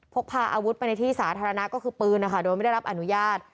พกพาอาวุธไปในที่สาธารณะก็คือปืนนะคะโดยไม่ได้รับอนุญาต